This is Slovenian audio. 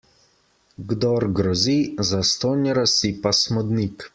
Kdor grozi, zastonj razsipa smodnik.